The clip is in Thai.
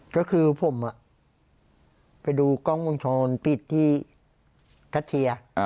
ก็คือพี่ผมใจดูกล้องควัญชนปีดที่ทัชเชีย